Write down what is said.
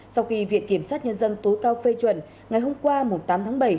sau khi viện kiểm sát nhân dân tối cao phê chuẩn ngày hôm qua tám tháng bảy